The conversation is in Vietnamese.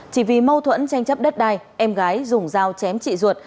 chỉ vì mâu thuẫn tranh chấp đất đai em gái dùng dao chém chị ruột